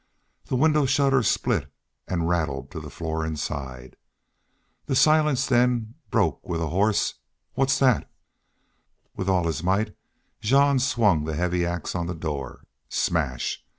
The window shutter split and rattled to the floor inside. The silence then broke with a hoarse, "What's thet?" With all his might Jean swung the heavy ax on the door. Smash!